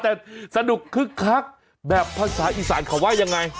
แต่สนุกคึกคักแบบภาษาอีสานเขาว่ายังไง